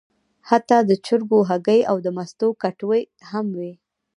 حتی د چرګو هګۍ او د مستو کټوۍ هم وې.